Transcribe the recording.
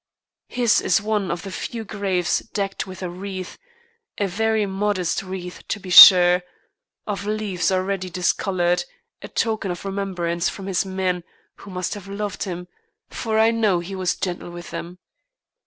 His is one of the few graves decked with a wreath, a very modest wreath to be sure, of leaves already discoloured, a token of remembrance from his men who must have loved him, for I know he was gentle with them.